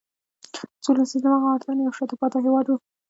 څو لسیزې دمخه اردن یو شاته پاتې هېواد و.